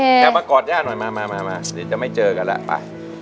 เดี๋ยวมากอดย่าหน่อยมาเดี๋ยวจะไม่เจอกันล่ะไป